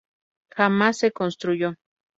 Jamás se construyó.